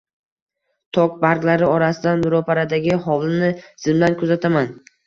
Tok barglari orasidan ro`paradagi hovlini zimdan kuzataman